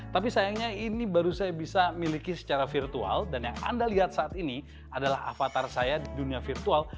tapi sayangnya ini baru saya bisa miliki secara virtual dan yang anda lihat saat ini adalah avatar saya di dunia virtual